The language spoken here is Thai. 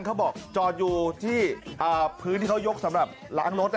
เขาบอกจอดอยู่ที่อ่าพื้นที่เขายกสำหรับร้านรถน่ะอ๋อ